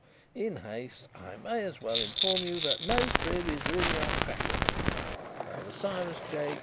_ (in haste). I may as well inform you that no crib is really uncrackable, though the Cyrus J.